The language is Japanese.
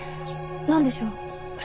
何でしょう？